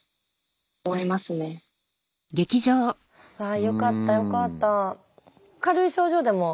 あよかったよかった。